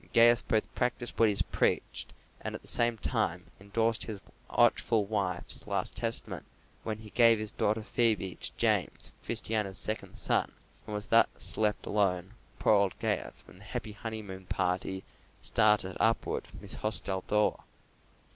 And Gaius both practised what he preached, and at the same time endorsed his watchful wife's last testament, when he gave his daughter Phebe to James, Christiana's second son, and thus was left alone, poor old Gaius, when the happy honeymoon party started upward from his hostel door.